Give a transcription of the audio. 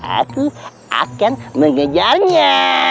aku akan mengejarnya